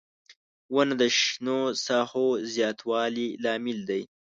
• ونه د شنو ساحو زیاتوالي لامل دی.